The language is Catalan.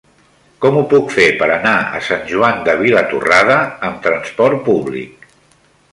Com ho puc fer per anar a Sant Joan de Vilatorrada amb trasport públic?